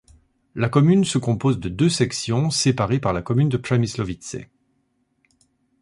La commune se compose de deux sections, séparées par la commune de Přemyslovice.